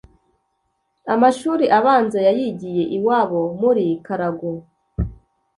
amashuri abanza yayigiye iwabo muri Karago.